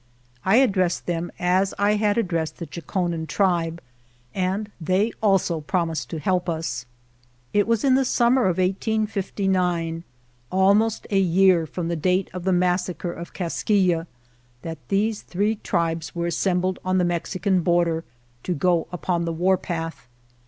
I addressed them as I had addressed the Chokonen tribe, and they also promised to help us. It was in the summer of 1859, almost a year i'rom the date of the massacre of Kas kiyeh, that these three tribes were assembled on the Mexican border to go upon the war path.